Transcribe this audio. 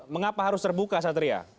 mengapa harus terbuka satria